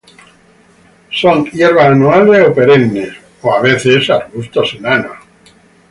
Son hierbas anuales o perennes o a veces arbustos enanos.